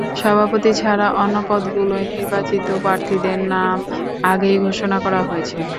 সভাপতি ছাড়া অন্য পদগুলোয় নির্বাচিত প্রার্থীদের নাম আগেই ঘোষণা করা হয়েছে।